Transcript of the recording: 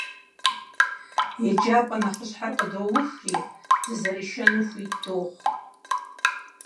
ЕджапӀэ нэхъыщхьэр къыдоухри, дызэрышэну хуит дохъу.